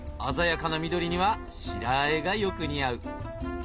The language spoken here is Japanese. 鮮やかな緑には白和えがよく似合う。